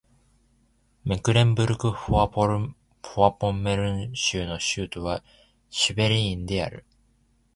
メクレンブルク＝フォアポンメルン州の州都はシュヴェリーンである